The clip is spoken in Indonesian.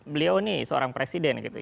beliau ini seorang presiden gitu